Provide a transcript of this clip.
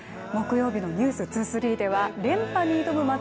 木曜日の「ｎｅｗｓ２３」では連覇に挑む